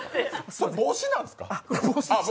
それ帽子なんですか！？